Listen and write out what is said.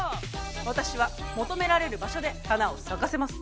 私は求められる場所で花を咲かせます。